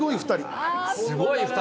すごい２人。